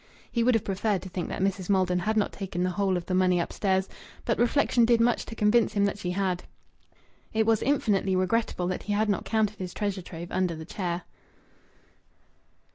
He would have preferred to think that Mrs. Maldon had not taken the whole of the money upstairs, but reflection did much to convince him that she had. It was infinitely regrettable that he had not counted his treasure trove under the chair.